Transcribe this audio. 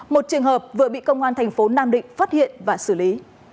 một trường hợp vừa bị công an thành phố nam định phát hiện và xử lý